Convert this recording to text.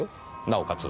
なおかつ